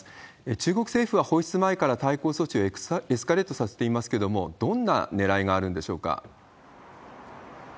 中国政府は放出前から対抗措置をエスカレートさせていますけれども、どんなねらいがあるんでしょうか？